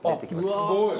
すごい！